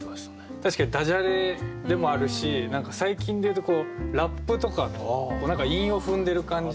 確かにだじゃれでもあるし何か最近で言うとラップとかの韻を踏んでる感じ。